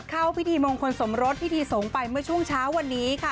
เข้าพิธีมงคลสมรสพิธีสงฆ์ไปเมื่อช่วงเช้าวันนี้ค่ะ